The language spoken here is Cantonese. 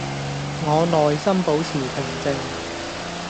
我內心保持平靜